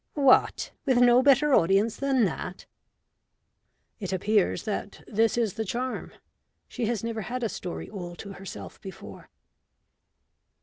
"What, with no better audience than that?" It appears that this is the charm. She has never had a story all to herself before.